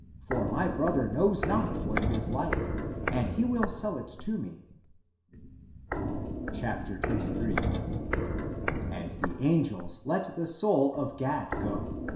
For my brother knows not what it is like, and he will sell it to me." 2T,. And the angels let the soul of Gad go.